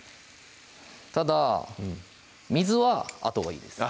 ただ水はあとがいいです